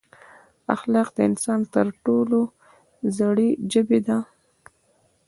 اخلاق د انسان تر ټولو زړې ژبې ده.